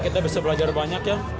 kita bisa belajar banyak ya